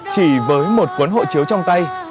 chỉ với một cuốn hộ chiếu trong tay